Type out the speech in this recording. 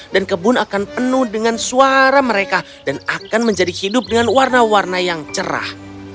dan kebun akan penuh dengan suara mereka dan akan menjadi hidup dengan warna warna yang cerah